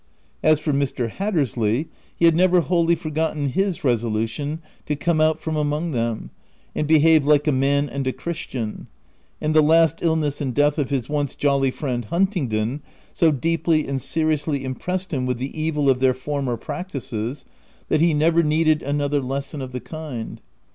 As for Mr. Hattersley, he had never wholly forgotten his resolution to 'come out from among them/ and behave like a man and a chris tian, and the last illness and death of his once jolly friend Huntingdon, so deeply and seriously impressed him with the evil of their former practices, that he never needed another lesson of the kind.